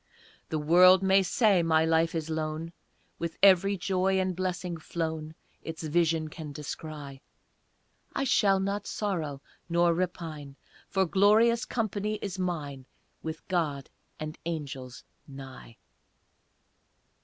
The world may say my life is lone, With every joy and blessing flown Its vision can descry; I shall not sorrow nor repine, For glorious company is mine With God and angels nigh.